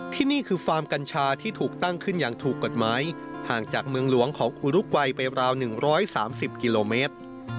ที่นี่คือฟาร์มกัญชาที่ถูกตั้งขึ้นอย่างถูกกฎหมายห่างจากเมืองหลวงของอุรุกวัยไปราว๑๓๐กิโลเมตร